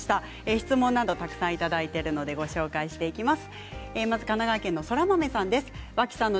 質問をたくさんいただいているのでご紹介していきます。